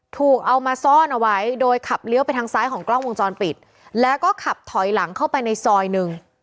ถูกเอามาซ่อนเอาไว้โดยขับเลี้ยวไปทางซ้ายของกล้องวงจรปิดแล้วก็ขับถอยหลังเข้าไปในซอยหนึ่ง